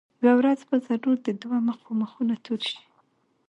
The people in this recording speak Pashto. یوه ورځ به ضرور د دوه مخو مخونه تور شي.